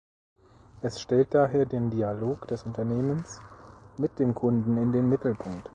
Es stellt daher den „Dialog“ des Unternehmens mit dem Kunden in den Mittelpunkt.